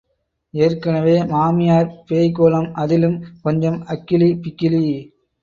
ஏற்கனவே மாமியார் பேய்க் கோலம் அதிலும் கொஞ்சம் அக்கிலி, பிக்கிலி.